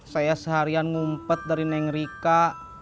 saya seharian ngumpet dari neng rika